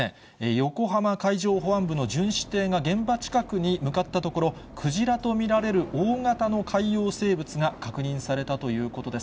横浜海上保安部の巡視艇が現場近くに向かったところ、クジラと見られる大型の海洋生物が確認されたということです。